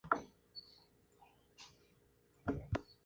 Actualmente existen más de una docena en funcionamiento o en construcción.